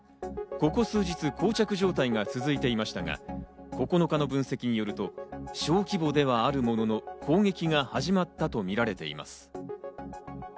ここ数日、こう着状態が続いていましたが、９日の分析によると、小規模ではあるものの攻撃が始まったとみられています。